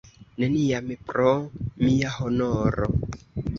Neniam, pro mia honoro!